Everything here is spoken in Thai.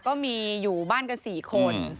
ก็มีอยู่บ้านกัน๔คน